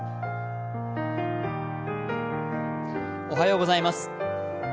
おはようございます。